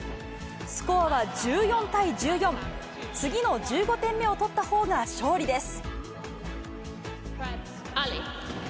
スコアは１４対１４、次の１５点目を取ったほうが勝利です。